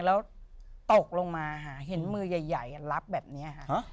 แล้วตกลงมาเห็นมือใหญ่ลับแบบนี้